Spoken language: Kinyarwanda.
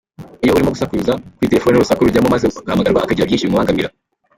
Iyo urimo gusakuza kuri telefoni n’urusaku rujyamo maze uhamagarwa akagira byinshi bimubangamira.